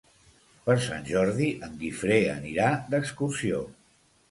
Per Sant Jordi en Guifré anirà d'excursió.